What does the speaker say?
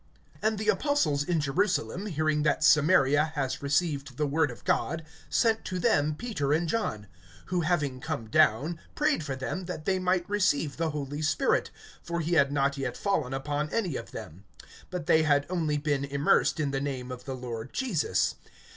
(14)And the apostles in Jerusalem, hearing that Samaria has received the word of God, sent to them Peter and John; (15)who, having come down, prayed for them, that they might receive the Holy Spirit; (16)for he had not yet fallen upon any of them; but they had only been immersed in the name of the Lord Jesus.